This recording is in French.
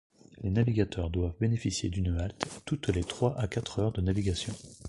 Les navigateurs doivent bénéficier d'une halte toutes les trois à quatre heures de navigation.